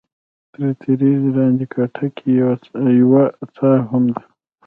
تر تیږې لاندې کوټه کې یوه څاه هم ده.